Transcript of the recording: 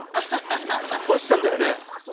星さんだよね？